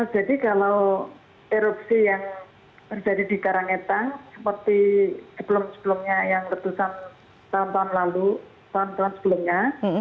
jadi kalau erupsi yang berjadi di karangetan seperti sebelum sebelumnya yang letusan tahun tahun lalu tahun tahun sebelumnya